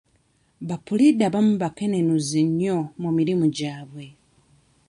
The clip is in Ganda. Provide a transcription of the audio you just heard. Ba puliida abamu bakenenuzi nnyo mu mirimu gyabwe.